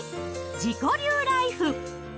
自己流ライフ。